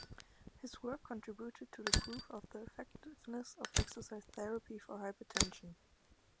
His work contributed to the proof of the effectiveness of exercise therapy for hypertension.